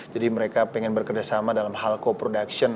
jadi mereka ingin bekerja sama dalam hal co production